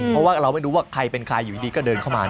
เพราะว่าเราไม่รู้ว่าใครเป็นใครอยู่ดีก็เดินเข้ามา